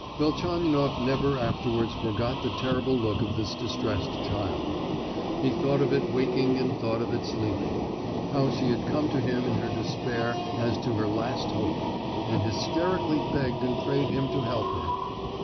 Velchaninoff never afterwards forgot the terrible look of this distressed child; he thought of it waking and thought of it sleeping—how she had come to him in her despair as to her last hope, and hysterically begged and prayed him to help her!